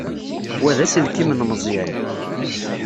Wa d aselkim n Meẓyan.